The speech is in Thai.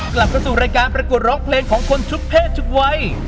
กลับเข้าสู่รายการประกวดร้องเพลงของคนทุกเพศทุกวัย